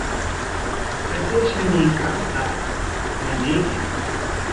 Taqay shamuykaqqa ñañaykim.